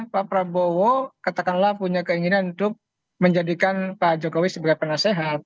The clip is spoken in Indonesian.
pak prabowo katakanlah punya keinginan untuk menjadikan pak jokowi sebagai penasehat